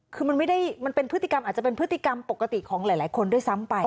คืออาจจะเป็นพฤติกรรมปกติของหลายคนด้วยซ้ำไป